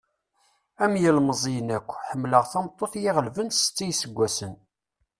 Am ilmeẓyen akk, ḥemmleɣ tameṭṭut i yi-ɣelben s setta iseggasen.